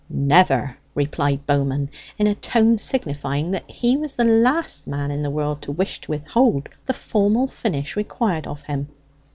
"Never," replied Bowman, in a tone signifying that he was the last man in the world to wish to withhold the formal finish required of him.